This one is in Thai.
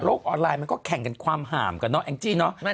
ออนไลน์มันก็แข่งกันความห่ามกันเนาะแองจี้เนอะ